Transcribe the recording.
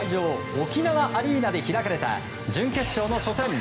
沖縄アリーナで開かれた準決勝の初戦。